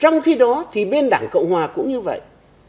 trong khi đó thì bên đảng cộng hòa cũng như vậy